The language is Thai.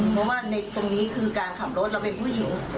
เพราะว่าในตรงนี้คือการขับรถเราเป็นผู้หญิง